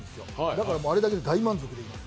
だからあれだけで大満足です。